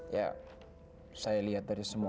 ya saya lihat dari semua